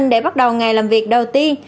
để bắt đầu ngày làm việc đầu tiên